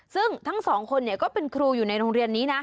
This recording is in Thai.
ซึ่งทั้งสองคนก็เป็นครูอยู่ในโรงเรียนนี้นะ